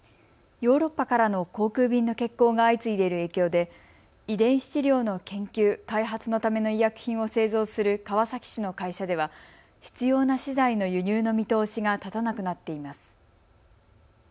ヨーロッパからの航空便の欠航が相次いでいる影響で遺伝子治療の研究・開発のための医薬品を製造する川崎市の会社では必要な資材の輸入の見通しが立たなくなっています。